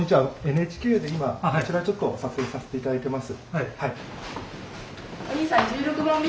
ＮＨＫで今こちらちょっと撮影させていただいてます。